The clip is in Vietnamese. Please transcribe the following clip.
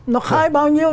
nó khai bao nhiêu